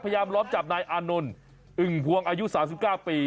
ล้อมจับนายอานนท์อึ่งพวงอายุ๓๙ปี